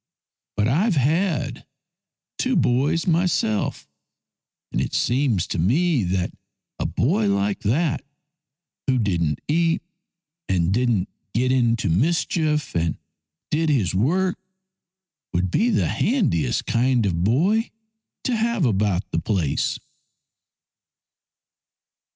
" But I've had two boys myself, and it seems to me that a boy like that, who didn't eat and didn't get into mischief, and did his work, would be the handiest kind of boy to have about the place."